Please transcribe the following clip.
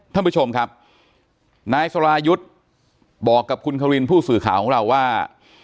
ท่านผู้ชมครับนายสรายุทธ์บอกกับคุณควินผู้สื่อข่าวของเราว่า